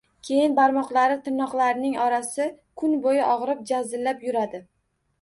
Keyin barmoqlari, tirnoqlarining orasi kun boʻyi ogʻrib, jazillab yuradi.